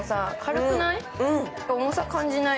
重さ、感じない。